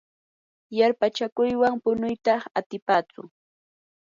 yarpachakuywan punuyta atipatsu.